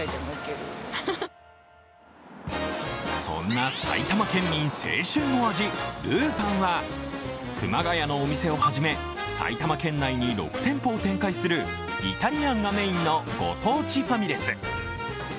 そんな埼玉県民青春の味、るーぱんは熊谷のお店を始め埼玉県内に６店舗を展開するイタリアンがメインのご当地ファミレス。